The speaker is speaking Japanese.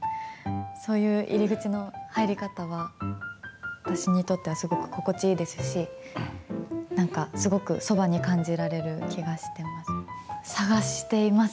そういう入り口の入り方は、私にとってはすごく心地いいですし、なんか、すごくそばに感じられる気がしています。